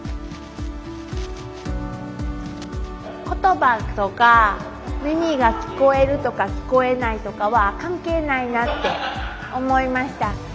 言葉とか耳が聞こえるとか聞こえないとかは関係ないなって思いました。